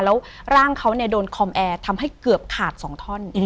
แล้วร่างเขาโดนคอมแอร์ทำให้เกือบขาด๒ท่อน